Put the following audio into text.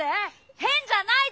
へんじゃないぞ！